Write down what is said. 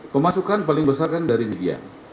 pemasukan paling besar kan dari media